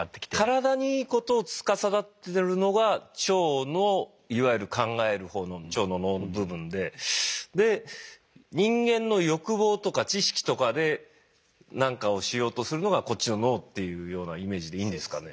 体にいいことをつかさどってるのが腸のいわゆる考える方の腸の脳の部分でで人間の欲望とか知識とかで何かをしようとするのがこっちの脳っていうようなイメージでいいんですかね。